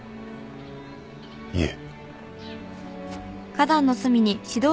いえ。